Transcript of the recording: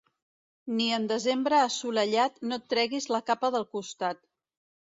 Ni en desembre assolellat no et treguis la capa del costat.